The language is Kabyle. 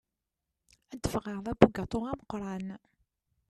Ad ffɣeɣ d abugaṭu ameqqran.